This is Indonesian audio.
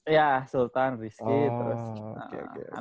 iya sultan rizky terus